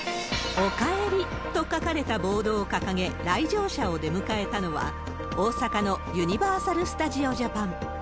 おかえりと書かれたボードを掲げ、来場者を出迎えたのは、大阪のユニバーサル・スタジオ・ジャパン。